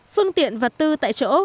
phương tiện vật tư tại chỗ